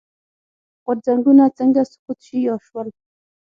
غورځنګونه څنګه سقوط شي یا شول.